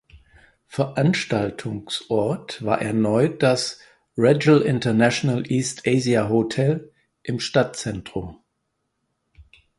Veranstaltungsort war erneut das "Regal International East Asia Hotel" im Stadtzentrum.